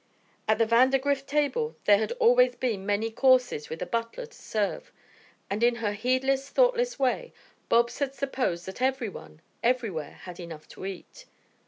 At the Vandergrift table there had always been many courses with a butler to serve, and in her heedless, thoughtless way, Bobs had supposed that everyone, everywhere, had enough to eat.